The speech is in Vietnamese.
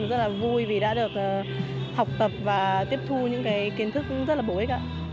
rất là vui vì đã được học tập và tiếp thu những kiến thức rất là bổ ích